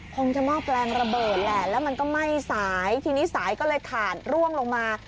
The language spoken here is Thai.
คงจะหม้อแปลงระเบิดแหละแล้วมันก็ไหม้สายทีนี้สายก็เลยขาดร่วงลงมา